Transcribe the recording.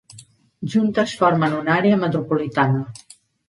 Juntes formen una àrea metropolitana.